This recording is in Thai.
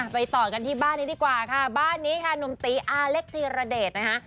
ไปต่อกันที่บ้านนี้ดีกว่าค่ะบ้านนี้ค่ะหนุ่มตีอาเล็กธีรเดชนะคะ